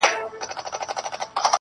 خير دی ، دى كه اوسيدونكى ستا د ښار دى,